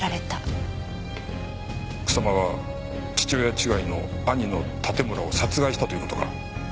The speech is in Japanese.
草間は父親違いの兄の盾村を殺害したという事か？